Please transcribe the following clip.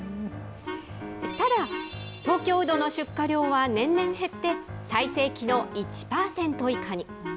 ただ、東京うどの出荷量は年々減って、最盛期の１％以下に。